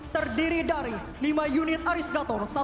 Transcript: terdiri dari lima unit aris gator